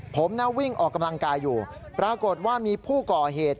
ผมนะวิ่งออกกำลังกายอยู่ปรากฏว่ามีผู้ก่อเหตุ